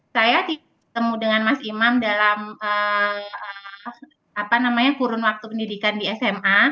saya ketemu dengan mas imam dalam kurun waktu pendidikan di sma